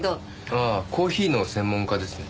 ああコーヒーの専門家ですね。